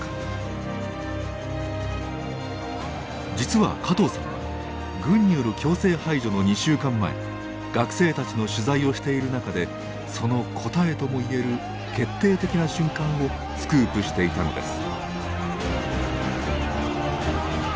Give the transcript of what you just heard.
実は加藤さんは軍による強制排除の２週間前学生たちの取材をしている中でその答えとも言える決定的な瞬間をスクープしていたのです。